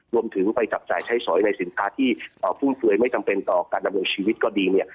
รวมถึงไปจับจ่ายใช้สอยในสินค้าที่ฟุ่มเฟือยไม่จำเป็นต่อการดำรงชีวิตก็ดีเนี่ย